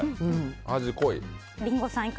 味、濃い。